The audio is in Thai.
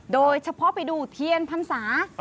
โดยเฉพาะไปดูเทียนพรรษา